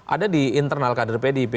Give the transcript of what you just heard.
ada di internal kader pdip